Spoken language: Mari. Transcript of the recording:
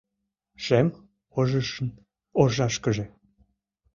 Шем ожыжын оржашкыже